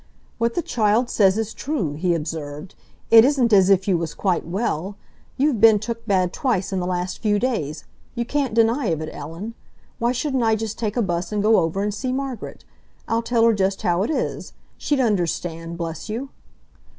"What the child says is true," he observed. "It isn't as if you was quite well. You've been took bad twice in the last few days—you can't deny of it, Ellen. Why shouldn't I just take a bus and go over and see Margaret? I'd tell her just how it is. She'd understand, bless you!"